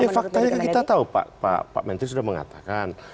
faktanya kita tahu pak menteri sudah mengatakan